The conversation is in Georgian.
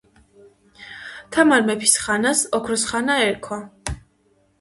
თამარმეფის ხანს ,,ოქროს ხანა" ერქვა